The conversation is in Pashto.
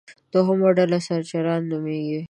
دوهمه ډله سرچران نومېږي.